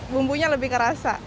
bumbunya lebih kerasa